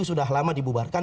sudah lama dibubarkan